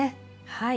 はい。